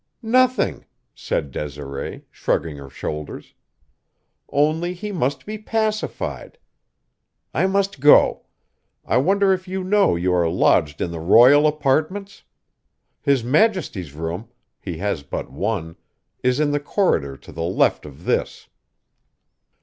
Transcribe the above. "Nothing," said Desiree, shrugging her shoulders. "Only he must be pacified. I must go. I wonder if you know you are lodged in the royal apartments? His majesty's room he has but one is in the corridor to the left of this.